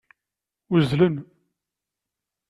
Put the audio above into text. Uzzlen.